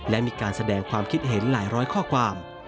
และมีการแสดงความคิดเห็นหลายร้อยข้อความ